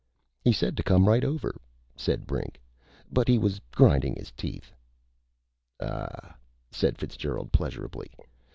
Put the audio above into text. "He said to come right over," said Brink. "But he was grinding his teeth." "Ah h h!" said Fitzgerald pleasurably.